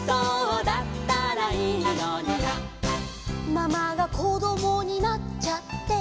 「ママがこどもになっちゃって」